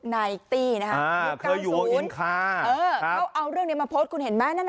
เคยอยู่ในวงอิงคา